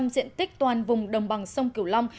bốn mươi năm diện tích toàn vùng đồng bằng sông kiểu long